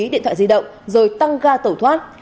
điện thoại di động rồi tăng ga tẩu thoát